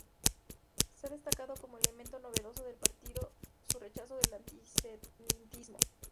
Se ha destacado como elemento novedoso del partido su rechazo del antisemitismo.